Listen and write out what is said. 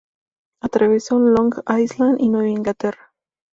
Atravesó Long Island y Nueva Inglaterra.